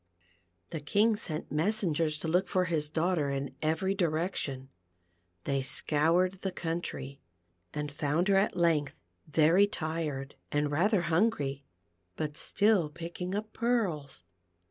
The King sent messengers to look for his daughter in every direction. They scoured the country, and found her at length very tired and rather hungry, 20 THE PEARL FOUNTAIN. but still picking up pearls.